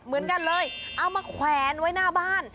เหมือนกันเลยเอามาแขวนไว้หน้าบ้าน